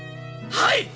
はい！